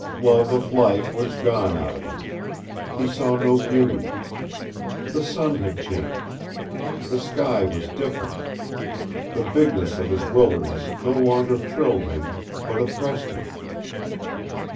Love of life was gone out of him. He saw no beauty. The sun had changed. The sky was different. The bigness of his wilderness no longer thrilled him, but oppressed him.